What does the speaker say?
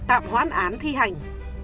tạm hoán án thi hành